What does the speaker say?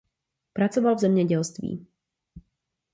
Pracoval v zemědělství.